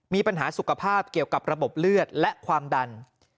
มีปัญหาสุขภาพเกี่ยวกับระบบเลือดและความดัน